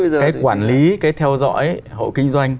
cái quản lý cái theo dõi hộ kinh doanh